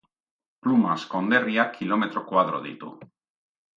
Plumas konderriak kilometro koadro ditu.